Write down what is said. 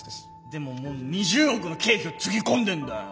でももう２０億の経費をつぎ込んでんだよ。